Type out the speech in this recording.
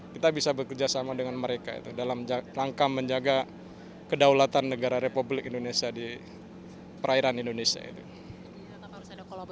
kita bisa bekerjasama dengan mereka itu dalam rangka menjaga kedaulatan negara republik indonesia di perairan indonesia itu